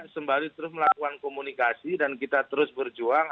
sembari terus melakukan komunikasi dan kita terus berjuang